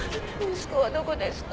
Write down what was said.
息子はどこですか？